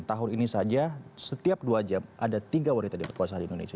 tahun ini saja setiap dua jam ada tiga wanita diperkosa di indonesia